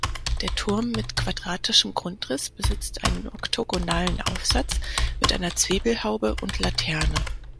Der Turm mit quadratischem Grundriss besitzt einen oktogonalen Aufsatz mit einer Zwiebelhaube und Laterne.